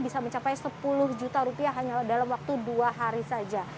bisa mencapai sepuluh juta rupiah hanya dalam waktu dua hari saja